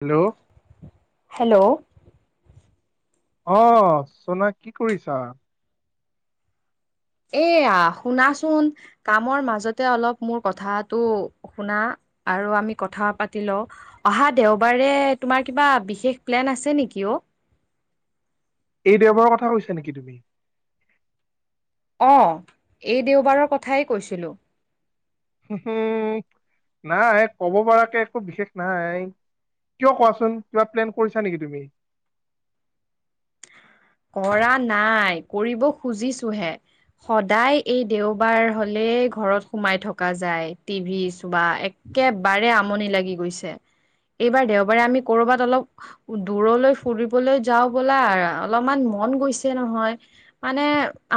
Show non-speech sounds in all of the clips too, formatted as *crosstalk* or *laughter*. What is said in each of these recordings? Hello hello. আহ চোনা কি কৰিছা? এয়া শুনাচোন কামৰ মাজতে অলপ মোৰ কথাাতটো শুনা। আৰু আমি কথা পাতি লও অহা দেওবাৰে তোমাৰ কিবা বিশেষ প্লেন আছে নেকি? অ *inaudible* এই দেওবাৰৰ কথা কৈছা নেকি তুমি? অঁ এই দেওবাৰৰ কথাই কৈছিলোঁ। উম নাই কব পৰাকে একো বিশেষ নাই। কিয় কোৱাচোন কিবা প্লেন কৰিছা নেকি তুমি? কৰা নাই কৰিব খুজিছো হে। সদায় এই দেওবাৰ হলে ঘৰত সোমাই থকা যায় টিভি বা এক। একেবাৰে আমনি লাগি গৈছে। এইবাৰ দেওবাৰে আমি কৰবাত অলপ দূৰলৈ ফুৰিবলৈ যাওঁ বলা। অলপমান মন গৈছে নহয় মানে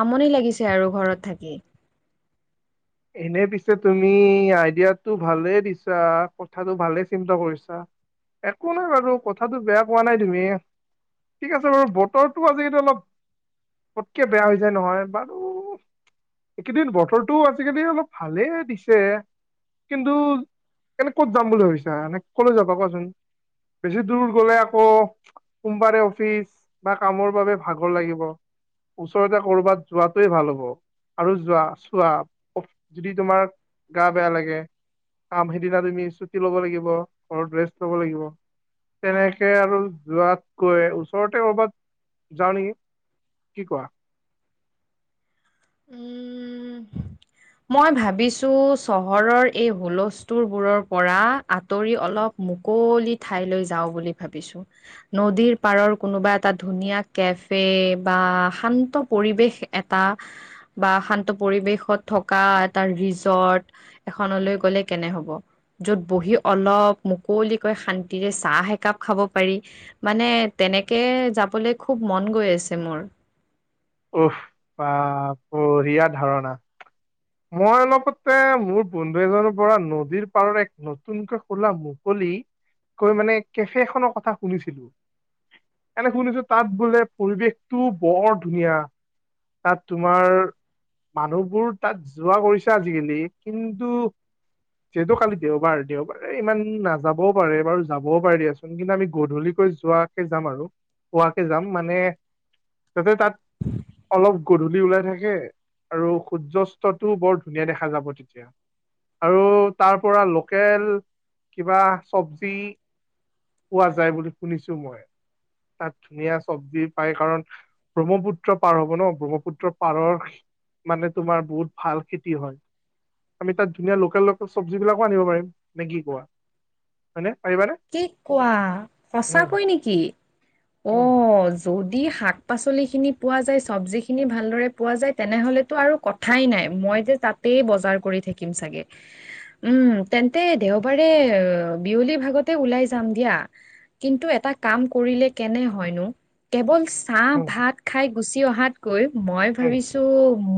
আমনি লাগিছে আৰু ঘৰত থাকি। এনে পিছে তুমি আইডিয়াটো ভালে দিছা কথাটো ভালে চিন্তা কৰিছা। একো নাই বাৰু কথাটো বেয়া কোৱা নাই তুমি। ঠিক আছে বাৰু বতৰটো আজিকালি অলপ পটকে বেয়া হৈ যায় নহয় বাৰু এইকেইদিন বতৰটো আজিকালি অলপ ভালে দিছে। কিন্তু এনে ক'ত যাম বুলি ভাবিছা? এনে কলৈ যাবা কোৱাচোন। বেছি দূৰ গলে আকৌ সোমবাৰে অফিচ বা কামৰ বাবে ভাগৰ লাগিব। ওচৰতে কৰবাত যোৱাটোৱে ভাল হ'ব আৰু যোৱা চোৱা। যদি তোমাৰ গা বেয়া লাগে। কাম সেইদিনা তুমি ছুটি লব লাগিব ঘৰত ৰেষ্ট লব লাগিব। তেনেকে আৰু যোৱাত গৈ ওচৰতে কৰ'বাত যাওঁ নেকি। কি কোৱা? উম। *unintelligible* মই ভাবিছো চহৰৰ এই হুলস্থুলবোৰৰ পৰা আঁতৰি অলপ মুখ মুকলি ঠাইলৈ যাও বুলি ভাবিছো নদীৰ পাৰৰ কোনোবা এটা ধুনীয়া কেফে বা শান্ত পৰিৱেশ এটা। বা শান্ত পৰিবেশত থকা এটা ৰিজৰ্ট এখনলৈ গলে কেনে হ'ব? যত বহি অলপ মুকলিকৈ শান্তিৰে চাহ একাপ খাব পাৰি। মানে তেনেকে যাবলৈ খুব মন গৈ আছে মোৰ। উফ্ বাহ বঢ়িয়া ধাৰণা। মই অলপতে মোৰ বন্ধু এজনৰ পৰা নদীৰ পাৰৰ এক নতুনকৈ খোলা মুকো কৈ মানে কেফে খনৰ কথা শুনিছিলো। এনে শুনিছো তাত বোলে পৰিৱেশটো বৰ ধুনীয়া। তাত তোমাৰ মানুহবোৰ তাত যোৱা কৰিছে আজিকালি, কিন্তু যিহেতু কালি দেওবাৰ, দেওবাৰে ইমান নাযাবও পাৰে বাৰু যাবও পাৰে দিয়াচোন। কিন্তু আমি গধূলি যোৱাকে যাম আৰু পোৱাকে যাম মানে তাতে তাত অলপ গধূলি ওলাই থাকে। আৰু সূৰ্যস্তটোও বৰ ধুনীয়া দেখা যাব তেতিয়া। আৰু তাৰ পৰা লোকেল কিবা চবজি পোৱা যায় বুলি শুনিছো মই। তাত ধুনীয়া চব্জি পায় কাৰণ ব্ৰহ্মপু ত্ৰ পাৰ হ'ব ন ব্ৰহ্মপুত্ৰ পাৰৰ মানে তোমাৰ বহুত ভাল খেতি হয় আমি তাত ধুনীয়া লোকেল চবজি বিলাকো আনিব পাৰিম নে কি কোৱা হয়নে পাৰিবানে? কি কোৱা উম সঁচাকৈ নেকি অ উম য দি শাক পাচলিখিনি পোৱা যায় চব্জিখিনি ভালদৰে পোৱা যায় তেনেহ'লেতো আৰু কথাই নাই মই মই যে তাতেই বজাৰ কৰি থাকিম চাগে উম তেন্তে দেওবাৰে বিয়লি ভাগত ওলাই যাম দিয়া কিন্তু এটা কাম কৰিলে কেনে হয়নো কেৱল চাহ উম ভাত খাই গুচি অহাত কৈ মই উম ভাবিছো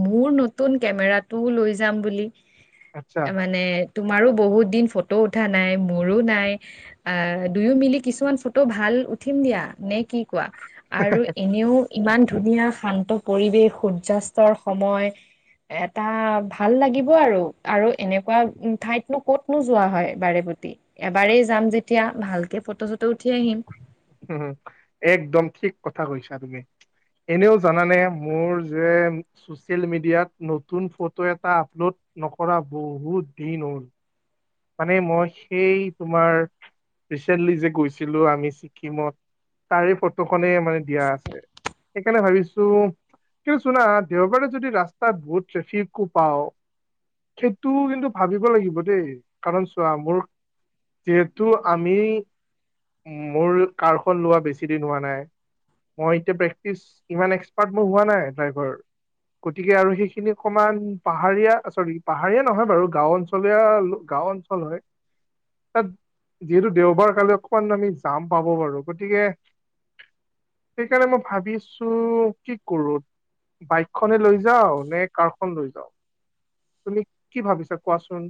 মোৰ নতুন কেমেৰাটোও লৈ যাম বুলি, আচ্ছা মানে তোমাৰো বহুত দিন ফটো উঠা নাই মোৰো নাই অ দুয়ো মিলি কিছুমান ফটো ভাল উঠিম দিয়া নে কি কোৱা আৰু এনেও ইমান ধ ধুনীয়া শান্ত পৰিৱেশ সূৰ্যাস্তৰ সময় এটা ভাল লাগিব আৰু আৰু এনেকোৱা ঠাইতনো কতনো যোৱা হয় বাৰে প্ৰতি এবাৰেই যাম যেতিয়া ভালকে ফটো চ হম একদম ঠিক কথা কৈছা তুমি এনেও জানানে মোৰ যে ছচিয়েল মিডিয়াত নতুন ফটো এটা আপলোড নকৰা বহুত দিন হ'ল মানে মই সেই তোমাৰ ৰিচেন্টলি যে গৈছিলো আমি ছিকিমত তাৰে ফটোখনেই মানে দিয়া আছে সেইকাৰণে ভাবিছো কিন্তু চুনা দেওবাৰে যদি ৰাস্তাত বহুত ট্ৰেফিকো পাও সেইটো কিন্তু ভাবিব লাগিব দেই কাৰণ চোৱা মোৰ যিহেতু আমি মোৰ কাৰখন লোৱা বেছি দিন হোৱা নাই মই এতিয়া প্ৰেক্টিচ ইমান এক্সপাৰ্ট মই হোৱা নাই ড্ৰাইভাৰ গতিকে আৰু সেইখিনি অকমান পাহাৰীয়া চৰি পাহাৰীয়া নহয় বাৰু গাও অঞ্চলীয়া লো গাঁও অঞ্চল হয় তাত যিহেতু দেওবাৰ কালি অকমান আমি যাম পাব বাৰু গতিকে সেইকাৰণে মই ভাবিছো কি কৰো বাইক খনে লৈ যাও নে কাৰ খন লৈ যাও তুমি কি ভাবিছা কোৱাচোন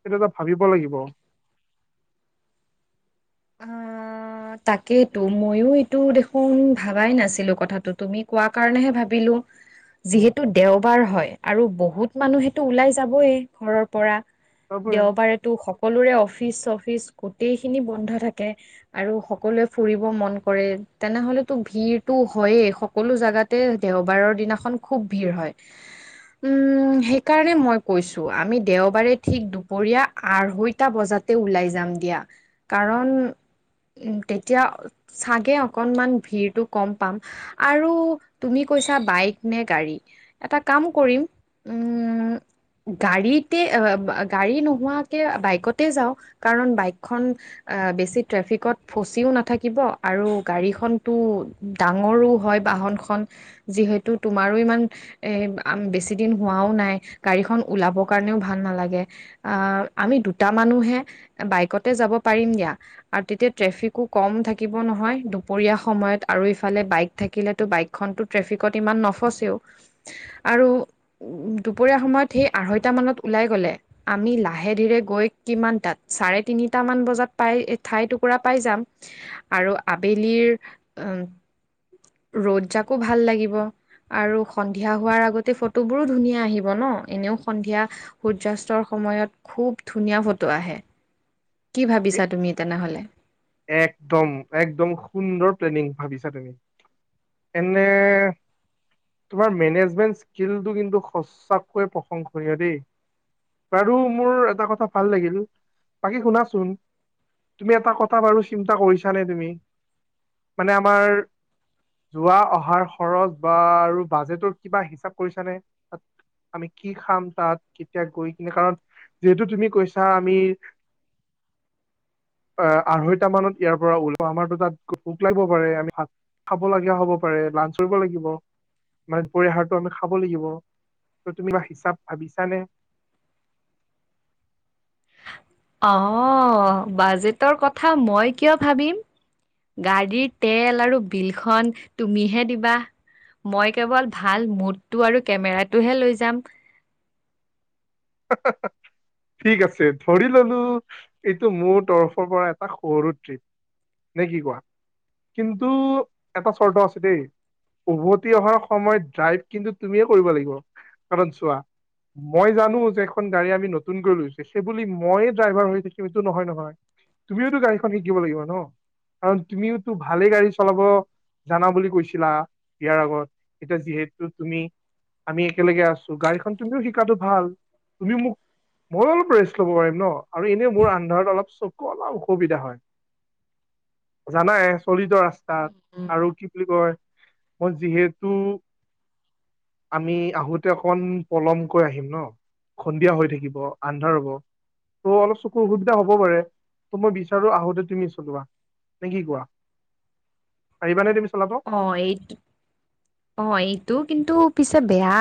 সেইটো এটা ভাবিব লাগিব অ তাকেইতো ময়ো এইটো দেখোন ভাবাই নাছিলো কথাটো তুমি কোৱা কাৰণেহে ভাবিলো উম যিহেতু দেওবাৰ হয় আৰু বহুত মানুহেতো ওলাই যাবই ঘৰৰ পৰা তাৰপৰা দেওবাৰেতো সকলোৰে অফিচ চফিচ গোটেই খিনি বন্ধ থাকে আৰু সকলোৱে ফুৰিব মন কৰে তেনেহলেতো ভিৰটো হয়ে সকলো জাগাতে দেওবাৰৰ দিনাখন খুব ভিৰ হয় উম সেইকাৰণে মই কৈছো আমি দেওবাৰে ঠিক দুপৰীয়া আঢ়ৈটা বজাত তে ওলাই যাম দিয়া কাৰণ উ তেতিয়া চাগে অকনমান ভিৰটো কম পাম আৰু তুমি কৈছা বাইক নে গাড়ী এটা কাম কৰিম উম *inaudible* গাড়ীতে গাড়ী নোহোৱাকে বাইকতে যাওঁ কাৰণ বাইকখন বেছি ট্ৰেফিকত ফচিও নাথাকিব আৰু গাড়ীখনতো ডাঙৰো হয় বাহনখন। যিহেতু তুমাৰো ইমান এ বেছি দিন হোৱাও নাই গাড়ীখন ওলাব কাৰণেও ভাল নালাগে। গে আ আমি দুটা মানু্হে বাইকতে যাব পাৰিম দিয়া আৰু তেতিয়া ট্ৰেফিকো কম থাকিব নহয় দুপৰীয়া সময়ত, আৰু ইফালে বাইক থাকিলেতো বাইকখনতো ট্ৰেফিক কত ইমান নফছেও আৰু দূপৰীয়া সময়ত সি আঢ়ৈতা মানত উলাই গল লে বোলে আমি লাহে ধিৰে গৈ কিমান তাত চাৰে তিনিটা মান বজাত পায় ঠাই টকু পুৰা পাই যাম আৰু আবেলিৰ ৰ'দ জাকো ভাল লাগিব। আৰু সন্ধিয়া হোৱাৰ আগতে ফটোবোৰো ধুনীয়া আহিব ন এনেও সন্ধিয়া সূৰ্যয়াস্তৰ সময়ত খুব ধুনীয়া ফটো আহে। *inaudible* কি ভাবিছা এ- তুমি তেনেহ'লে? একদম একদম সুন্দৰ প্লেনিং ভাবিছা তুমি এনে তোমাৰ মেনেজমেণ্ট স্কিলটো কিন্তু সচাঁকৈয়ে প্ৰশংসনীয় দেই বাৰু মোৰ এটা কথা ভাল লাগিল বাকী শুনাচোন তুমি এটা কথা এটা বাৰু চিন্তা কৰিছা নে তুমি? মানে আমাৰ যোৱা অহাৰ খৰচ বা আৰু বাজেটৰ কিবা হিচাপ কৰিছানে? আমি কি খাম তাত কেতিয়া গৈ কিনে কাৰণ যিহেতু তুমি কৈছা আমি আ আঢ়ৈটা মানত ইয়াৰ পৰা ওলও আমাৰতো তাত ভোক লাগিব পাৰে আমি ভাত খাব লগীয়া হ'ব পাৰে। লাঞ্চৰ লাগিব। মানে দূপৰীয়া আহাৰটো আমি খাব লাগিব ত তুমি বা হিচাপ ভাবিছানে *inaudible* অ বাজেটৰ কথা মই কিয় ভাবিম? গাড়ীৰ তেল আৰু বিলখন তুমিহে দিবা। মই কেৱল ভাল মুডটো আৰু কেমেৰাটোহে লৈ যাম। *unintelligible* ঠিক আছে ধৰি ললো এইটো মোৰ তৰফৰ পৰা এটা সৰু ট্ৰিপ। নে কি কোৱা? কিন্তু এটা চৰ্ত আছে দেই উভতি অহাৰ সময়ত ড্ৰাইভ কিন্তু তুমিয়ে কৰিব লাগিব, কাৰণ চোৱা মই জানো এখন গাড়ী আমি নতুনকৈ লৈছো, সেই বুলি মইয়ে ড্ৰাইভাৰ হৈ থাকিম এইটো নহয় নহয়। তুমিওতো গাড়ীখন শিকিব লাগিব ন? কাৰণ তুমিওতো ভালেই গাড়ী চলাব জানা বুলি কৈছিলা বিয়াৰ আগত এতিয়া যিহেতু তুমি আমি একেলগে আছো গাড়ীখন তুমিও শিকাটো ভাল তুমিও মোক মই অলপ ৰেষ্ট ল'ব পাৰিম ন? আৰু এনেই মোৰ আন্ধাৰত অলপ চকু অলপ অসুবিধা হয়। জানাই চলিত ৰাস্তাত আৰু কি বুলি কয় মই যিহেতু আমি আহোতে অকন পলমকৈ আহিম ন? সন্ধিয়া হৈ থাকিব আন্ধাৰ হব। ত' অলপ চকুৰ অসুবিধা হব পাৰে ত' মই বিচাৰো আহোতে তুমি চলোৱা। নে কি কোৱা পাৰিবা নে তুমি? চলাব অ এইট অ এইটো কিন্তু পিছে বেয়া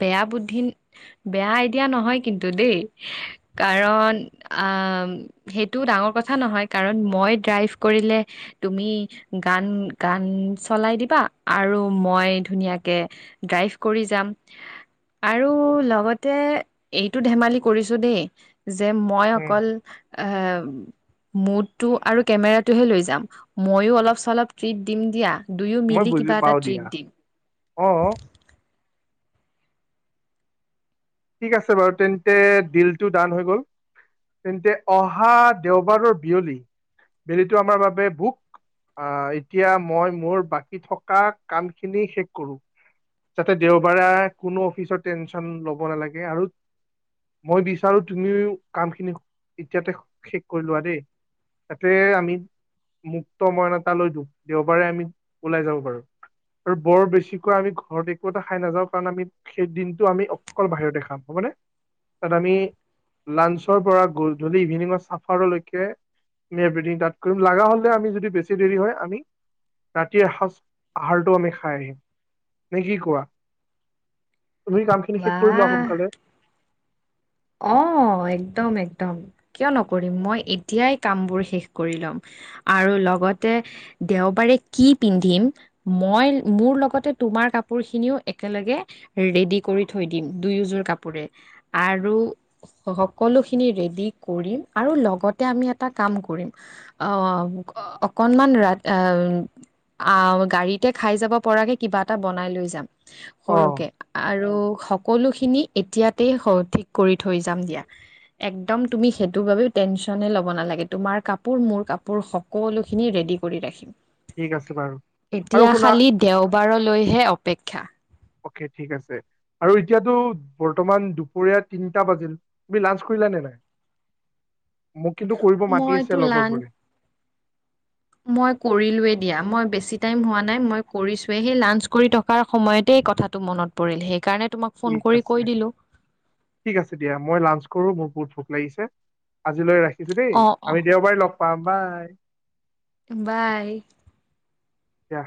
বেয়া বুদ্ধি বেয়া আইডিয়া নহয় কিন্তু দেই। কাৰণ সেইটো ডাঙৰ কথা নহয়, কাৰণ ম মই ড্ৰাইভ কৰিলে তুমি গান গান চলাই দিবা আৰু মই ধুনীয়া কে ড্ৰাইভ কৰি যাম। আৰু লগতে এইটো ধেমালি কৰিছো দেই। যে মই উম অকল এ মুডটো আৰু কেমেৰাটোহে লৈ যাম, ময়ো অলপ চলপ ট্ৰিট দিম দিয়া। দুয়ো মই মিলি বুজি কিবা এটা পাও ট্ৰিট দিয়া দিম অ ঠিক আছে বাৰু তেন্তে দিলটো দান হৈ গ'ল তেন্তে অহা দেওবাৰৰ বিয়লি বিয়লিটো আমাৰ বাবে ভোক আহ এতিয়া মই মোৰ বাকী থকা কাম খিনি শেষ কৰো যাতে দেওবাৰে কোনো অফিচত টেনচন ল'ব নালাগে আৰু মই বিচাৰো তুমিও কামখিনি এতিয়াতে শেষ কৰি লোৱা দেই তাতে আমি মুক্ত মন এটা লৈ দিওঁ দেওবাৰে আমি ওলাই যাব পাৰো। আৰু বৰ বেছিকৈ আমি ঘৰত একো এটা খাই নাযাওঁ কাৰণ আমি সেই দিনতটো আমি অকল বাহিৰতে খাম হব নে। তাত আমি লাঞ্চৰ পৰা গধূলি ইভিনিঙৰ চাফাৰলৈকে ইভিনিং তাত কৰিম লগা হলে আমি যদি বেছি দেৰি হয় আমি ৰাতি এসাঁজ আহাৰটো আমি খাই আহিম নে কি কোৱা? তুমি কাম শেষ কৰি বাহ লোৱা আক অ একদম একদম কিয় নকৰিম মই এতিয়াই কামবোৰ শেষ কৰি ল'ম আৰু লগতে দেওবাৰে কি পিন্ধিম মই মোৰ লগতে তো তোমাৰ কাপোৰ খিনিও একেলগে ৰেডি কৰি থৈ দিম দুয়োযোৰ কাপোৰে আৰু *unintelligible* সকলোখিনি ৰেডি কৰিম আৰু লগতে আমি এটা কাম কৰিম আ অকনমান ৰা অ গাড়ীতে খাই যাব পৰাকে কিবা এটা বনাই লৈ যাম অ সৰুকে আৰু সকলোখিনি এতিয়াতে ঠিক কৰি থই যাম দিয়া। একদম সেইটো বাবে টেনচন লব নালাগে। তোমাৰ কাপোৰ মোৰ কাপোৰ কাপোৰ সকলোখিনি ৰেডি কৰি ৰাখিম ঠিক আছে বাৰু আৰু এতিয়া শুনা খালি দেওবাৰলৈহে অপেক্ষা অকে ঠিক আছে আৰু এতিয়াতো বৰ্তমান দুপৰীয়া তিনটা বাজিল তুমি লাঞ্চ কৰিলা নাই মোক কিন্তু কৰিব মাতি মইতো আছে লান লগৰবোৰে মই কৰিলোৱে দিয়া মই বেছি টাইম হোৱা নাই মই কৰিচো হে লাঞ্চ কৰি থকা সময়তে কথাটো মনত পৰিল সেইকাৰণে তোমাক ফোন ঠিক কৰি আছে কৈ দিলো ঠিক আছে দিয়া মই লাঞ্চ কৰো মোৰ বহুত ভোক লাগিছে আজিলৈ ৰাখিছো দেই অ অ আমি দেওবাৰে লগ পাম বাই বাই কা